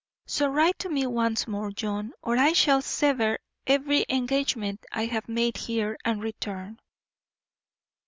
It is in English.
So write to me once more, John, or I shall sever every engagement I have made here and return.